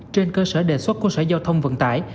trên cơ sở đề xuất của sở giao thông vận tải